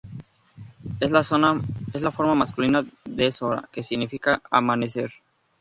Es la forma masculina de "Zora", que significa "amanecer".